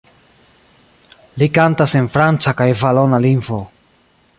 Li kantas en franca kaj valona lingvo.